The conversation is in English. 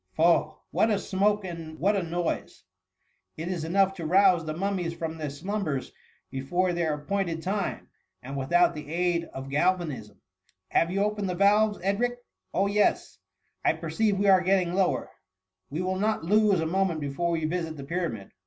Fob ! what a smoke and what a noise ! It is enough to rouse the mum mies from their slumbers before their appointed time, and without the lud of galvanism. Have you opened the valves, Edric ? Oh yes ! I perceive we are getting lower ; we will not lose a moment before we visit the Pyramid.